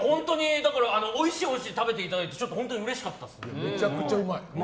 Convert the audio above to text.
おいしい、おいしいって食べていただけて本当にうれしかったですね。